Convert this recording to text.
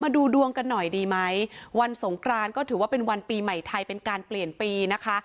ดูดวงกันหน่อยดีไหมวันสงกรานก็ถือว่าเป็นวันปีใหม่ไทยเป็นการเปลี่ยนปีนะคะ